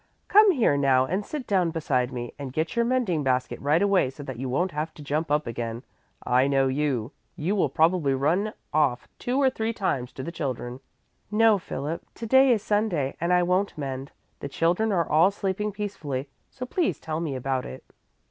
"Come here now and sit down beside me and get your mending basket right away so that you won't have to jump up again. I know you. You will probably run off two or three times to the children." "No, Philip, to day is Sunday and I won't mend. The children are all sleeping peacefully, so please tell me about it."